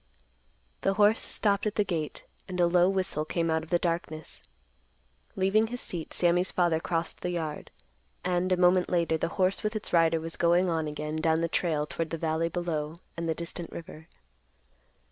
The horse stopped at the gate and a low whistle came out of the darkness. Leaving his seat, Sammy's father crossed the yard, and, a moment later, the horse with its rider was going on again down the trail toward the valley below and the distant river.